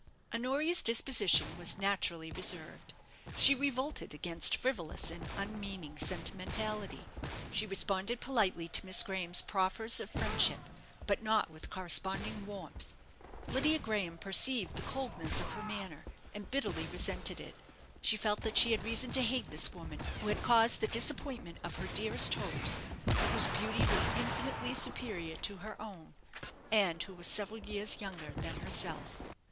Honoria's disposition was naturally reserved. She revolted against frivolous and unmeaning sentimentality. She responded politely to Miss Graham's proffers of friendship; but not with corresponding warmth. Lydia Graham perceived the coldness of her manner, and bitterly resented it. She felt that she had reason to hate this woman, who had caused the disappointment of her dearest hopes, whose beauty was infinitely superior to her own; and who was several years younger than herself.